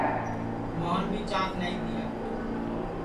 موھن بھی چاک نائی تیا